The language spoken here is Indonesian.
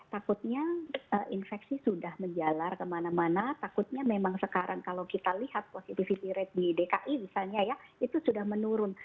takutnya infeksi sudah menjalar kemana mana takutnya memang sekarang kalau kita lihat positivity rate di dki misalnya ya itu sudah menurun